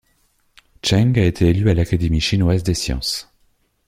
Cheng a été élu à l'Académie chinoise des sciences.